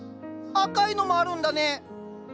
赤いのもあるんだね！